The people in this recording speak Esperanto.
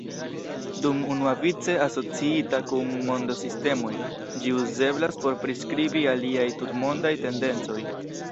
Dum unuavice asociita kun mondo-sistemoj, ĝi uzeblas por priskribi aliaj tutmondaj tendencoj.